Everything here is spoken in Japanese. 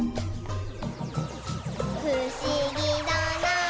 「ふしぎだなぁ」